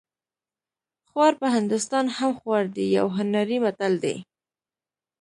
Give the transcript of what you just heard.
خوار په هندوستان هم خوار دی یو هنري متل دی